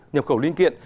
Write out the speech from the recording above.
nhập khẩu liên kiện